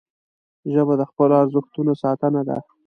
ژبه د خپلو ارزښتونو ساتنه ده